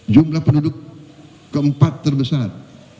jumlah penduduk keempat terbesar